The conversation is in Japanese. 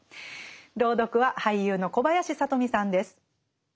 朗読は俳優の小林聡美さんです。